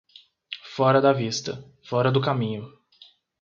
Fora da vista, fora do caminho.